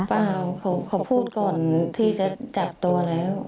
เปล่าเขาพูดก่อนที่จะจับตัวแล้ว